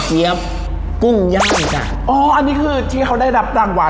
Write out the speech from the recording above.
อร่อยเชียบแน่นอนครับอร่อยเชียบแน่นอนครับ